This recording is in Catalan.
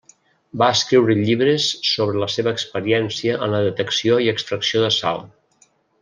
Va escriure llibres sobre la seva experiència en la detecció i extracció de sal.